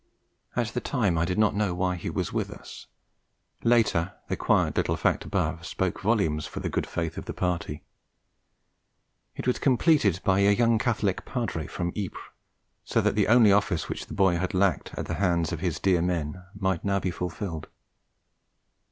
At the time I did not know why he was with us; later, the quiet little fact above spoke volumes for the good faith of the party. It was completed by a young Catholic Padre from Ypres, so that the only office which the boy had lacked at the hands of his dear men might now be fulfilled.